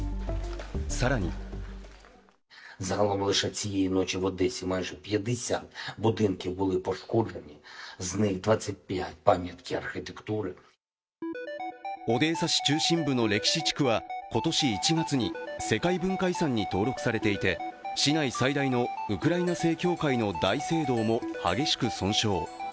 更にオデーサ市中心部の歴史地区は今年１月に世界文化遺産に登録されていて市内最大のウクライナ正教会の大聖堂も激しく損傷。